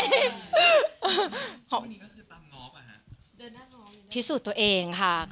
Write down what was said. พริกุพิสูจน์ตัวเองค่ะ